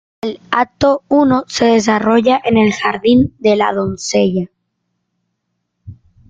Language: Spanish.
El acto I se desarrolla en el jardín de la doncella.